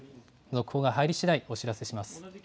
続報が入りしだいお知らせします。